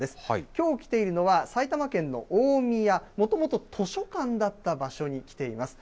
きょう来ているのは、埼玉県の大宮、もともと図書館だった場所に来ています。